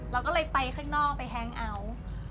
เราก็เลยไปข้างนอกไปแฮงเอาท์